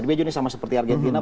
serbia juga sama seperti argentina